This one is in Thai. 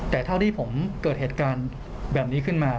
แต่เท่าที่ผมเกิดเหตุการณ์แบบนี้ขึ้นมา